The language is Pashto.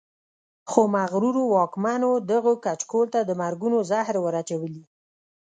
خو مغرورو واکمنو دغه کچکول ته د مرګونو زهر ور اچولي.